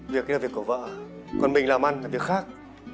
việc ấy là việc của vợ còn mình làm ăn là việc khác